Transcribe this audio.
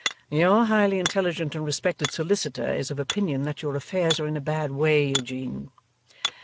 'Your highly intelligent and respect solicitor is of opinion that your affairs are in a bad way, Eugene.